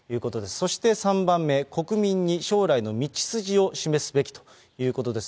そして３番目、国民に将来の道筋を示すべきということです。